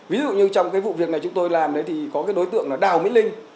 ví dụ như trong cái vụ việc này chúng tôi làm đấy thì có cái đối tượng là đào mỹ linh